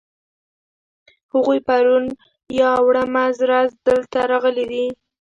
هغوی پرون یا وړمه ورځ دلته راغلي دي.